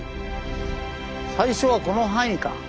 最初はこの範囲か。